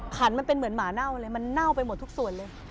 ขันมันเป็นเหมือนหมาเน่าเลยมันเน่าไปหมดทุกส่วนเลย